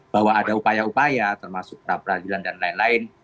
bahwa ada upaya upaya termasuk peradilan dan lain lain